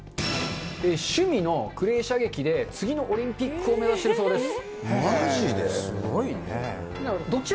趣味のクレー射撃で次のオリンピックを目指しているそうです。